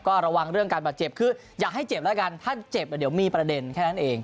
ก็ระวังเรื่องการบาดเจ็บคืออย่าให้เจ็บแล้วกันถ้าเจ็บเดี๋ยวมีประเด็นแค่นั้นเอง